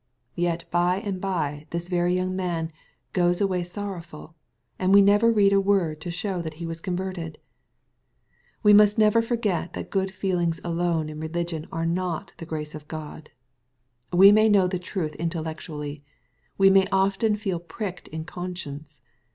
Yet by and bye this very young man " goes away sorrowful ;"— and we never read a word to show that he was converted ! We must never forget that good feelings alone in reh'gion are not the grace of God. We may know the truth intellectually. We may often feel pricked in con science.